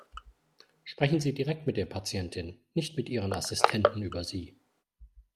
Sprechen Sie direkt mit der Patientin, nicht mit Ihren Assistenten über sie.